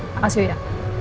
terima kasih uya